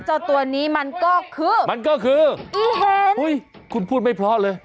เจ้าตัวนี้มันก็คืออย่าเห็นคุณพูดไม่เพราะเลย